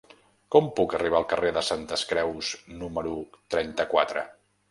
Com puc arribar al carrer de Santes Creus número trenta-quatre?